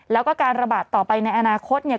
แล้วก็การระบาดต่อไปในอนาคตเนี่ย